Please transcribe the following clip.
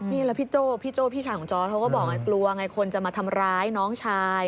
นี่แล้วพี่โจ้พี่โจ้พี่ชายของจอร์ดเขาก็บอกไงกลัวไงคนจะมาทำร้ายน้องชาย